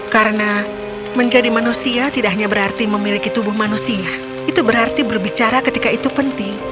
karena menjadi manusia tidak hanya berarti memiliki tubuh manusia itu berarti berbicara ketika itu penting